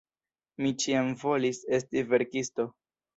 Mi ĉiam volis esti verkisto.